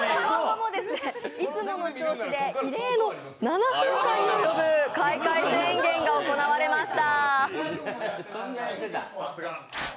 いつもの調子で、異例の７分間にも及ぶ開会宣言が行われました。